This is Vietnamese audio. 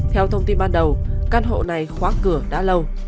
theo thông tin ban đầu căn hộ này khóa cửa đã lâu